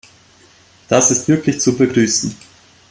Das ist wirklich zu begrüßen.